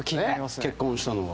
結婚したのは。